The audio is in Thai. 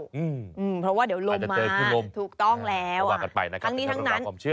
อืมอืมเพราะว่าเดี๋ยวลมมาถูกต้องแล้วประมาณเจอกันไปนะครับ